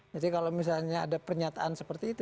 jadi kalau misalnya ada pernyataan seperti itu